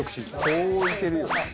こういけるよね。